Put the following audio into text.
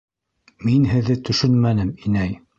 Мин һеҙҙе төшөнмәнем, инәй!